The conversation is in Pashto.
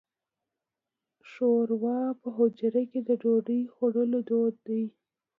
شوروا په حجرو کې د ډوډۍ خوړلو دود دی.